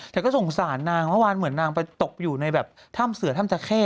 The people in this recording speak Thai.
ก็สงสารนางเมื่อวานเหมือนนางไปตกอยู่ในแบบถ้ำเสือถ้ำตะเข้